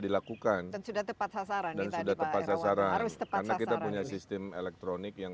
dilakukan dan sudah tepat sasaran dan sudah tepat sasaran karena kita punya sistem elektronik yang